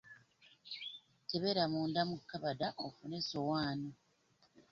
Kebera munda mu kabada ofune esowaani.